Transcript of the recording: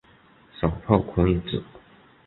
手炮可以指